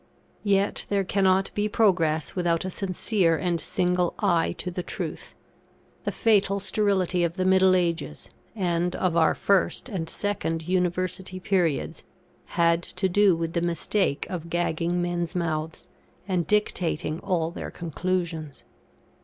Yet, there cannot be progress without a sincere and single eye to the truth. The fatal sterility of the middle ages, and of our first and second University periods, had to do with the mistake of gagging men's mouths, and dictating all their conclusions.